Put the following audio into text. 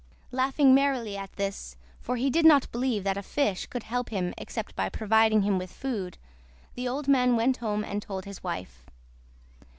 Laughing merrily at this, for he did not believe that a fish could help him except by providing him with food, the old man went home and told his wife.